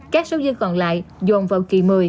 các số dư còn lại dồn vào kỳ một mươi